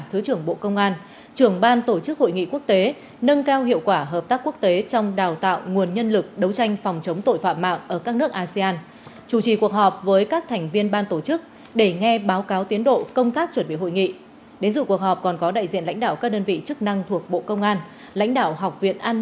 hội nghị quốc tế nâng cao hiệu quả hợp tác quốc tế trong đào tạo nguồn nhân lực đấu tranh phòng chống tội phạm mạng ở các nước asean